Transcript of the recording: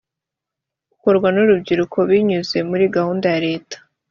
ukorwa n ‘urubyiruko binyuze muri gahunda ya leta.